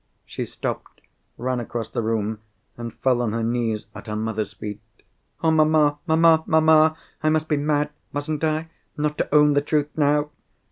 She stopped, ran across the room—and fell on her knees at her mother's feet. "Oh mamma! mamma! mamma! I must be mad—mustn't I?—not to own the truth _now!